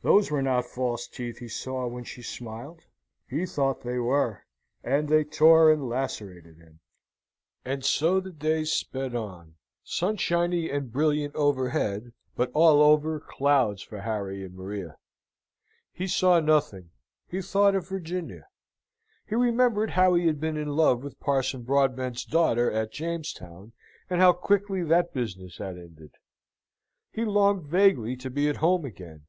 Those were not false teeth he saw when she smiled. He thought they were, and they tore and lacerated him. And so the day sped on sunshiny and brilliant overhead, but all over clouds for Harry and Maria. He saw nothing: he thought of Virginia: he remembered how he had been in love with Parson Broadbent's daughter at Jamestown, and how quickly that business had ended. He longed vaguely to be at home again.